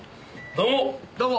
どうも。